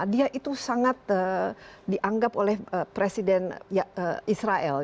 dia itu sangat dianggap oleh presiden israel